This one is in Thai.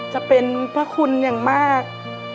จะเป็นพระคุณอย่างมาก